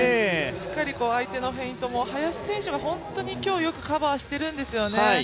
しっかり相手のフェイントも、林選手が本当に今日、よくカバーしているんですよね。